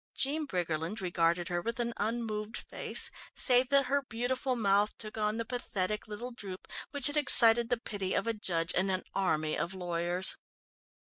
Jean Briggerland regarded her with an unmoved face save that her beautiful mouth took on the pathetic little droop which had excited the pity of a judge and an army of lawyers.